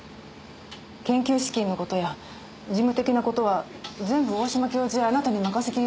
研究資金の事や事務的な事は全部大島教授やあなたに任せきりだった。